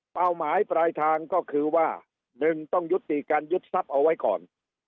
หมายปลายทางก็คือว่า๑ต้องยุติการยึดทรัพย์เอาไว้ก่อน